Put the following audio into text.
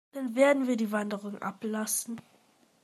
Dann werden wir die Wanderung abblasen.